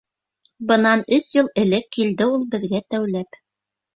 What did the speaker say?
Бынан өс йыл элек килде ул беҙгә тәүләп.